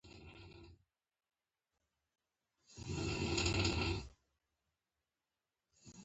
هغه هغې ته د خوږ مینه ګلان ډالۍ هم کړل.